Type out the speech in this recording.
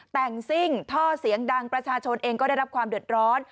แต่งซิ่งท่อเสียงดังประชาชนเองก็ได้รับความเดือดร้อน